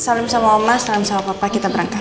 salam sama mama salam sama papa kita berangkat